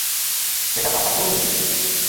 এটা বাম্পার ফলন দিবে।